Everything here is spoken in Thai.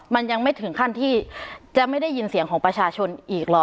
มันยังไม่ถึงขั้นที่จะไม่ได้ยินเสียงของประชาชนอีกเหรอ